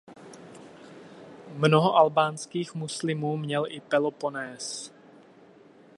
Mnoho albánských muslimů měl i Peloponés.